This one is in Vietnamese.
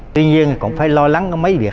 tuy nhiên cũng phải lo lắng có mấy việc